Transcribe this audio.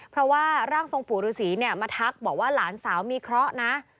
เพราะว่าร่างทรงปู่ฤษีเนี่ยมาทักบอกว่าหลานสาวมีเคราะห์นะ